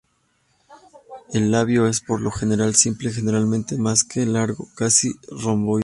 El labio, es por lo general simple, generalmente más que largo, casi romboidal.